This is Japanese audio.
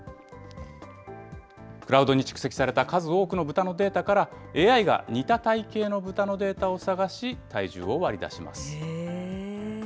クラウドに蓄積された数多くの豚のデータから、ＡＩが似た体型の豚のデータを探し、体重を割り出します。